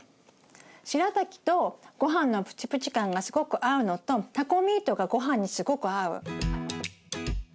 しらたきとごはんのプチプチ感がすごく合うのとタコミートがごはんにすごく合う。